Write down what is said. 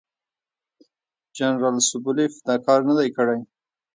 جنرال سوبولیف دا کار نه دی کړی.